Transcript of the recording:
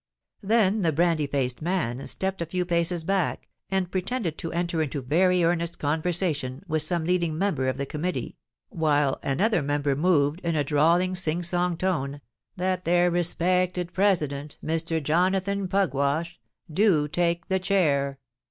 Then the brandy faced man stepped a few paces back, and pretended to enter into very earnest conversation with some leading member of the Committee, while another member moved, in a drawling sing song tone, "that their respected President, Mr. Jonathan Pugwash, do take the chair."